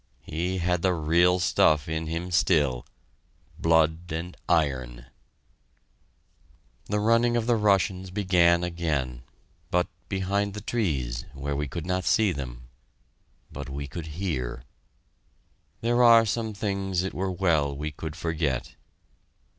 He had the real stuff in him still blood and iron! The running of the Russians began again but behind the trees, where we could not see them... but we could hear... There are some things it were well we could forget!